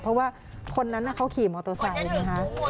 เพราะว่าคนนั้นเขาขี่มอเตอร์ไซค์นะคะ